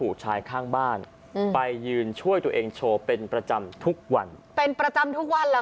ชายข้างบ้านอืมไปยืนช่วยตัวเองโชว์เป็นประจำทุกวันเป็นประจำทุกวันแหละค่ะ